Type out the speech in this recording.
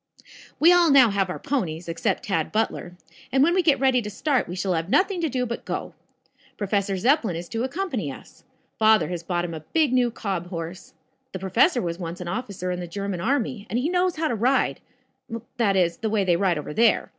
"We all now have our ponies, except Tad Butler, and when we get ready to start we shall have nothing to do but go. Professor Zepplin is to accompany us. Father has bought him a big new cob horse. The professor was once an officer in the German army, and he knows how to ride that is, the way they ride over there.